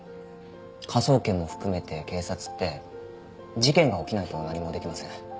科捜研も含めて警察って事件が起きないと何もできません。